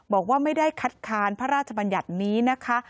บอกว่าไม่ได้คัดค้านพระราชบัญญัตินี้นะคะ